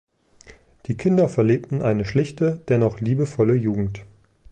Die Kinder verlebten eine schlichte, dennoch liebevolle Jugend.